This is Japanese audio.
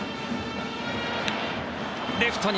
レフトに。